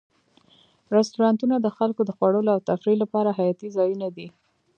رستورانتونه د خلکو د خوړلو او تفریح لپاره حیاتي ځایونه دي.